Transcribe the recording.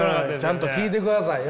ちゃんと聞いてくださいよ。